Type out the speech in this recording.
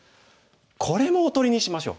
これもおとりにしましょう。